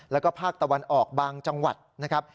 แล้วก็ภาคตะวันออกบางจังหวัดนะครับ